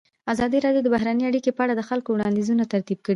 ازادي راډیو د بهرنۍ اړیکې په اړه د خلکو وړاندیزونه ترتیب کړي.